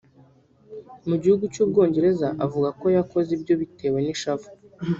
mu gihugu cy’ Ubwongereza avuga ko yakoze ibyo bitewe n’ishavu